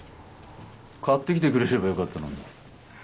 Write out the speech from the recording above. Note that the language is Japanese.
買ってきてくれればよかったのに。